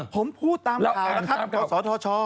ผมพูดตามข่าวนะครับขอสอช่อ